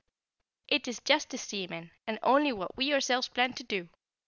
"It is justice, seaman, and only what we ourselves planned to do.